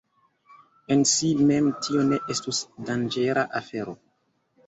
En si mem tio ne estus danĝera afero.